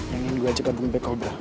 yang ingin gue ajak ke bumpe cobra